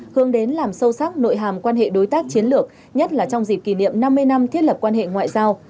hướng đến làm sâu sắc nội hàm quan hệ đối tác chiến lược nhất là trong dịp kỷ niệm năm mươi năm thiết lập quan hệ ngoại giao